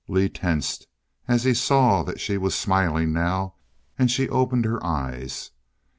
Lee tensed as he saw that she was smiling now; and she opened her eyes.